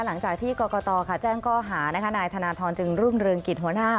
หลังจากที่กรกตแจ้งข้อหานายธนทรจึงรุ่งเรืองกิจหัวหน้า